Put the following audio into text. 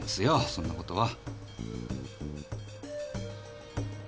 そんなことは。